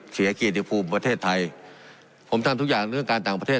เกียรติภูมิประเทศไทยผมทำทุกอย่างเรื่องการต่างประเทศ